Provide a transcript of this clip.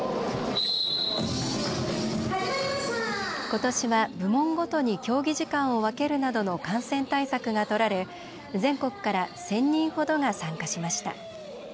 ことしは部門ごとに競技時間を分けるなどの感染対策が取られ全国から１０００人ほどが参加しました。